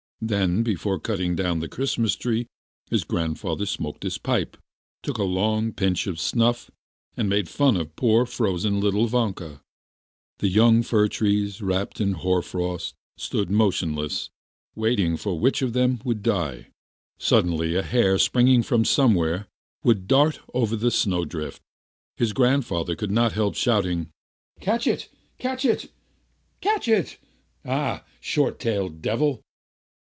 Then before cutting down the Christmas tree his grandfather smoked his pipe, took a long pinch of snuff, and made fun of poor frozen little Vanka... The young fir trees, wrapt in hoar frost, stood motionless, waiting for which of them would die. Suddenly a hare springing from somewhere would dart over the snowdrift... His grandfather could not help shouting: "Catch it, catch it, catch it! Ah, short tailed devil!"